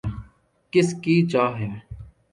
کس کی چاہ ہے